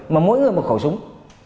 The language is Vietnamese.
mà mỗi người một khẩu súng